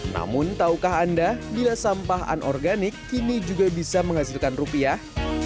namun tahukah anda bila sampah anorganik kini juga bisa menghasilkan rupiah